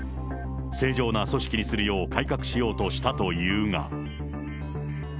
正常な組織にするよう改革しようとしたというが。